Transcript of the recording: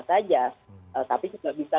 saja tapi juga bisa